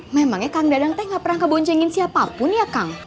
memangnya kang dadang teh gak pernah keboncengin siapapun ya kang